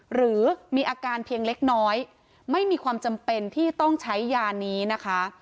หรือมีอาการเพียงเล็กน้อยไม่มีความจำเป็นที่ต้องใช้ยานี้นะคะ